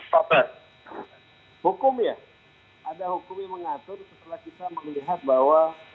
pak frans hukumnya ada hukum yang mengatur setelah kita melihat bahwa